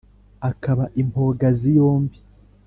Akaba impogazi yombi.